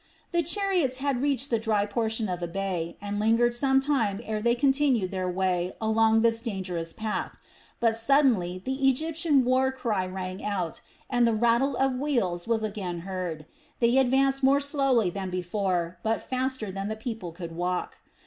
The chariots had reached the dry portion of the bay and lingered some time ere they continued their way along this dangerous path; but suddenly the Egyptian war cry rang out, and the rattle of wheels was again heard. They advanced more slowly than before but faster than the people could walk.